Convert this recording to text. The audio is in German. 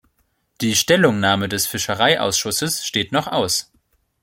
Die Stellungnahme des Fischereiausschusses steht noch aus.